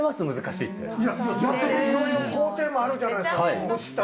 いや、いろいろ工程もあるじゃないですか。